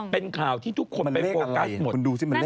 เป็นข่าวที่ทุกคนไปโฟกัสหมด